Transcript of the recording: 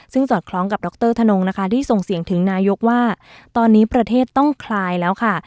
ซึ่งสอดคล้องกับดรธนงนะคะที่ส่งเสียงถึงนายกว่าตอนนี้ประเทศต้องคลายแล้วค่ะ